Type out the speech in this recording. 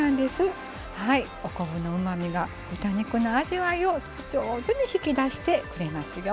お昆布のうまみが豚肉の味わいを上手に引き出してくれますよ。